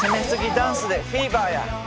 ダンスでフィーバーや！